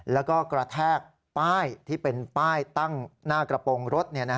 แล้วก็กระแทกป้ายที่เป็นป้ายตั้งหน้ากระโปรงรถ